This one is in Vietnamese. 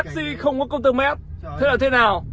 taxi không có công tương mét thế là thế nào